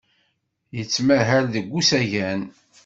Yettmahal deg usagen.